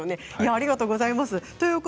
ありがとうございます。